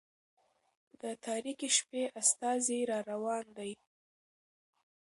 د تاريكي شپې استازى را روان دى